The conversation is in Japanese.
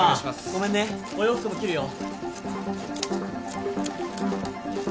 ごめんねお洋服も切るよ。